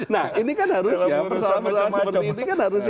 nah ini kan harus ya